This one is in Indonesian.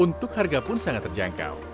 untuk harga pun sangat terjangkau